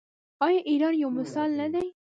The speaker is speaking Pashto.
آیا ایران یو مثال نه دی؟